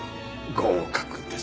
合格です。